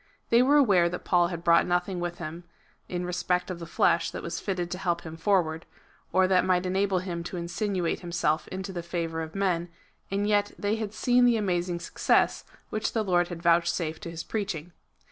They were aware that Paul had brought nothing with him in respect of the flesh that was fitted to help him foi ward, or that might enable him to insinuate himself into the favour of men, and yet they had seen the amazing success which the Lord had vouchsafed to his preaching.